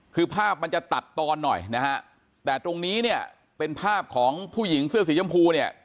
คือภาพมันจะตัดตอนหน่อยนะฮะแต่ตรงนี้เนี่ยเป็นภาพของผู้หญิงเสื้อสีชมพูเนี่ย